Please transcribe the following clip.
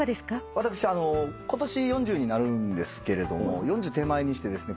私今年４０になるんですけれども４０手前にしてですね